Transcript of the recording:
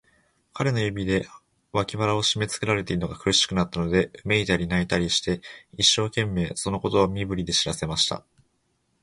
彼の指で、脇腹をしめつけられているのが苦しくなったので、うめいたり、泣いたりして、一生懸命、そのことを身振りで知らせました。